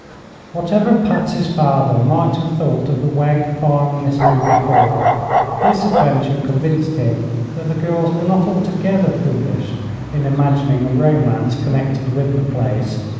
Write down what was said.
Whatever Patsy's father might have thought of the Wegg farm mystery before, this adventure convinced him that the girls were not altogether foolish in imagining a romance connected with the place.